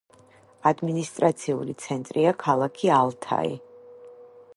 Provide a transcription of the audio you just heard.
ადმინისტრაციული ცენტრია ქალაქი ალთაი.